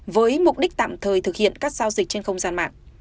với mục đích tạm thời thực hiện các giao dịch trên không gian mạng